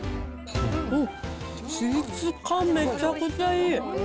うん、質感、めちゃくちゃいい。